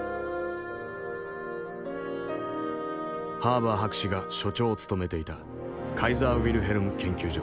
ハーバー博士が所長を務めていたカイザー・ウィルヘルム研究所。